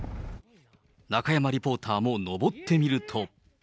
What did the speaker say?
中山リポーターも上ってみると。